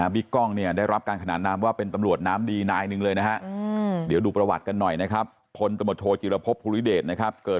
บิ๊กกล้องได้รับการขนานนามว่าเป็นตำรวจน้ำดีนายหนึ่งเลยนะฮะ